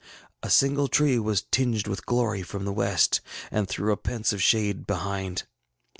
A single tree was tinged with glory from the west, and threw a pensive shade behind.